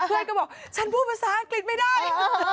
เพื่อนก็บอกฉันพูดภาษาอังกฤษไม่ได้